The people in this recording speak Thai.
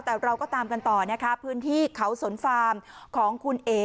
แต่เราก็ตามกันต่อนะคะพื้นที่เขาสนฟาร์มของคุณเอ๋